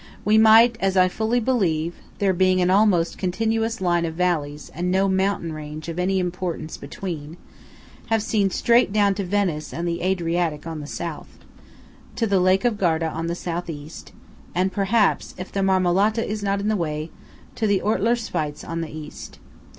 We might, as I fully believe (there being an almost continuous line of valleys, and no mountain range of any importance between) have seen straight down to Venice and the Adriatic on the South; to the lake of Garda on the South East; and perhaps, if the Marmolata is not in the way, to the Ortler Spitz on the East.